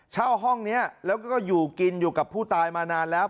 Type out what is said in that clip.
เช่าห้องนี้แล้วก็อยู่กินอยู่กับผู้ตายมานานแล้ว